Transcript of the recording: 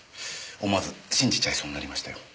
思わず信じちゃいそうになりましたよ。